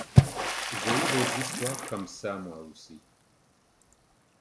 J’ai eu des histoires comme ça, moi aussi.